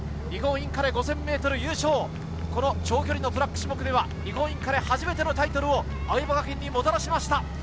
日本インカレ５０００ｍ優勝、この長距離のトラック種目では日本インカレで初めてのタイトルを青山学院にもたらしました。